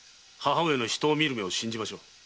母上の人を見る目を信じましょう。